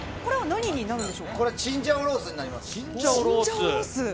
チンジャオロースになります。